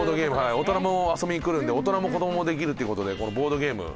大人も遊びに来るので大人も子供もできるという事でこのボードゲーム。